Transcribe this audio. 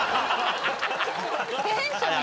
テンション低い！